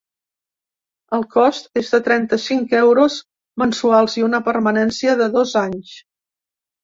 El cost és de trenta-cinc euros mensuals i una permanència de dos anys.